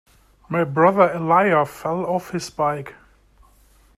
My brother Elijah fell off his bike.